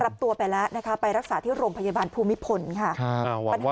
รับตัวไปแล้วนะคะไปรักษาที่โรงพยาบาลภูมิพลค่ะ